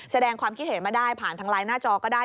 แสดงความคิดเห็นมาได้ผ่านทางไลน์หน้าจอก็ได้